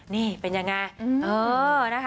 นี่เป็นอย่างไร